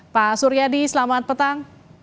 pak suryadi selamat petang